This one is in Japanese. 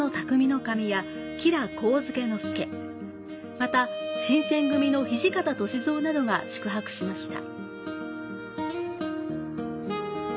また、新撰組の土方歳三などが宿泊しました。